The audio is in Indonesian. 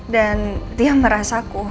dan dia merasaku